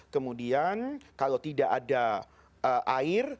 kemudian kalau tidak ada air